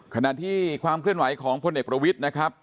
ขณะที่ความเคลื่อนไหวของพลเอกประวิทย์นะครับ